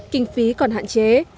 kinh phí còn hạn chế